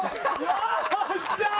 よっしゃー！